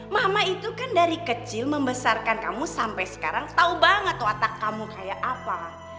mama itu kan dari kecil membesarkan kamu sampai sekarang tau banget tuh atak kamu kayak apa